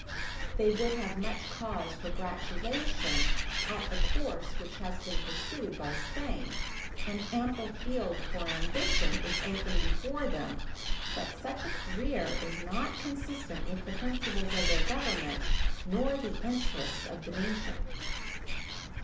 They would have much cause for gratulation at the course which has been pursued by Spain. An ample field for ambition is open before them, but such a career is not consistent with the principles of their Government nor the interests of the nation.